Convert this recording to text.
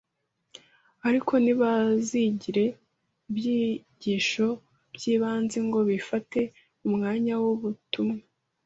ariko ntibazigire ibyigisho by’ibanze ngo bifate umwanya w’ubutumwa.